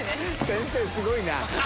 先生すごいな。